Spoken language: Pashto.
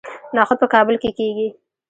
نخود په کابل کې کیږي